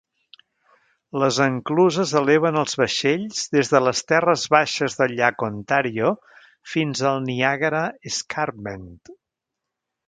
Les encluses eleven els vaixells des de les terres baixes del llac Ontario fins al Niagara Escarpment.